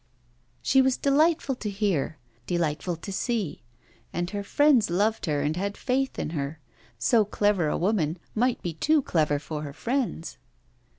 She was delightful to hear, delightful to see; and her friends loved her and had faith in her. So clever a woman might be too clever for her friends!...